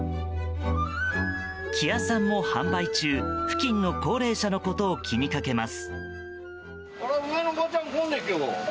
木谷さんも販売中付近の高齢者のことを気にかけます。